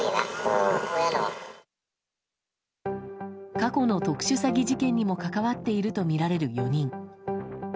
過去の特殊詐欺事件にも関わっているとみられる４人。